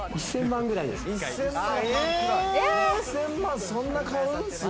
１０００万くらいです。